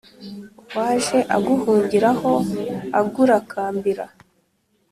uwaj e aguhungira ho agurakambira